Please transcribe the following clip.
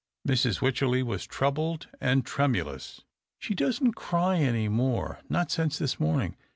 Mrs. Wycherley was troubled and tremulous. " She doesn't cry any more — not since this morning.